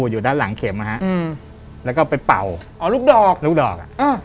อยู่ด้านหลังเข็มแล้วก็ไปเป่าอ๋อลูกดอก